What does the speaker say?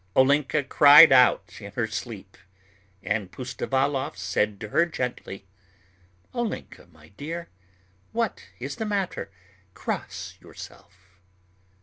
Olenka cried out in her sleep, and Pustovalov said to her gently: "Olenka my dear, what is the matter? Cross yourself."